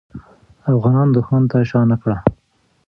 افغانان دښمن ته شا نه کړه.